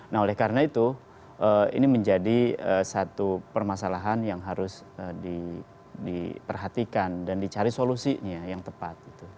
nah oleh karena itu ini menjadi satu permasalahan yang harus diperhatikan dan dicari solusinya yang tepat